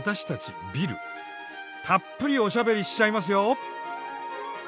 たっぷりおしゃべりしちゃいますよ！